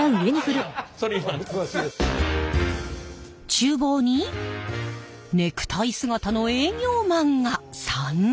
ちゅう房にネクタイ姿の営業マンが３人。